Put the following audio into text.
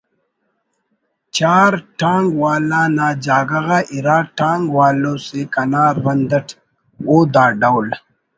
چار ٹانگ ولا نا جاگہ غا اِرا ٹانگ والوسے کنا رند اٹ…… او دا ڈول